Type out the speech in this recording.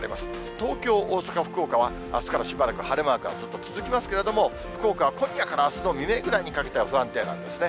東京、大阪、福岡は、あすからしばらく晴れマークがずっと続きますけれども、福岡は今夜からあすの未明ぐらいにかけては、不安定なんですね。